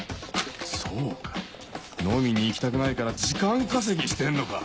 そうか飲みに行きたくないから時間稼ぎしてんのか？